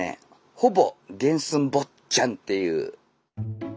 ほぼ原寸坊っちゃんっていう。